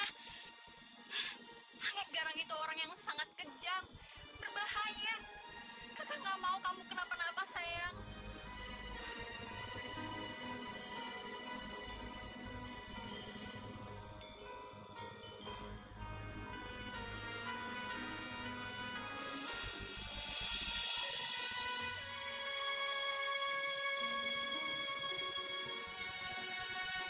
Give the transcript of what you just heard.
angget garang itu orang yang sangat kejam berbahaya kakak gak mau kamu kenapa napa sayang